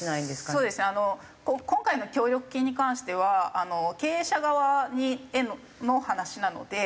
そうですねあの今回の協力金に関しては経営者側への話なので。